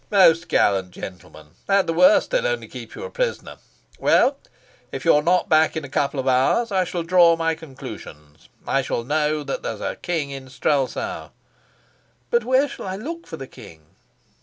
"Most gallant gentleman! At the worst they'll only keep you a prisoner. Well, if you're not back in a couple of hours, I shall draw my conclusions. I shall know that there's a king in Strelsau." "But where shall I look for the king?"